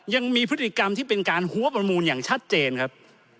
ยังมีพฤติกรรมที่เป็นการหัวประมูลอย่างชัดเจนครับ